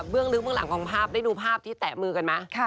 ลึกเบื้องหลังของภาพได้ดูภาพที่แตะมือกันไหม